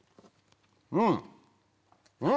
うん！